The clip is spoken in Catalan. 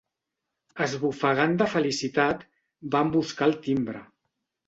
Esbufegant de felicitat, van buscar el timbre.